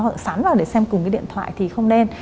họ sắn vào để xem cùng cái điện thoại thì không nên